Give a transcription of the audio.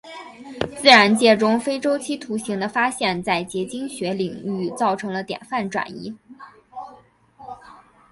自然界中非周期图形的发现在结晶学领域造成了典范转移。